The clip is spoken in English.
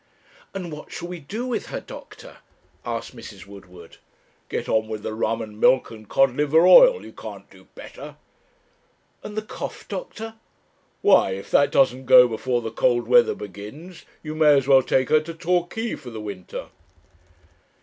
'And what shall we do with her, doctor?' asked Mrs. Woodward. 'Go on with the rum and milk and cod liver oil, you can't do better.' 'And the cough, doctor?' 'Why, if that doesn't go before the cold weather begins, you may as well take her to Torquay for the winter.'